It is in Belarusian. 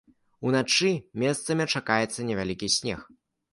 Уначы месцамі чакаецца невялікі снег.